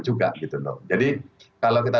juga gitu loh jadi kalau kita